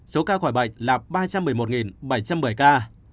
số ca khỏi bệnh là ba trăm một mươi một bảy trăm một mươi ca